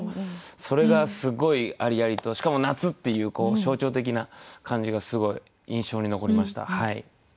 それがすっごいありありとしかも夏っていう象徴的な感じがすごい印象に残りました。